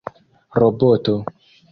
roboto